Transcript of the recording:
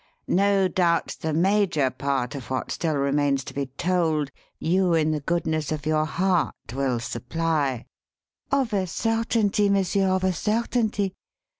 "No doubt the major part of what still remains to be told, you in the goodness of your heart, will supply " "Of a certainty, monsieur, of a certainty."